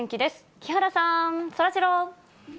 木原さん、そらジロー。